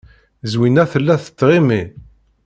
Zwina tella tettɣimi.